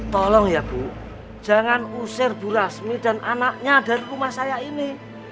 tolong ya bu jangan usir bu rasmi dan anaknya dari rumah saya ini